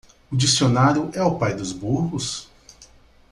O dicionário é o pai dos burros?